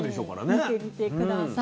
見てみて下さい。